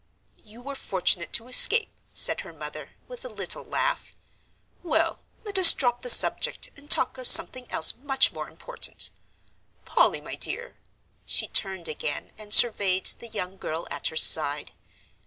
"You were fortunate to escape," said her mother, with a little laugh. "Well, let us drop the subject and talk of something else much more important. Polly, my dear." She turned again and surveyed the young girl at her side.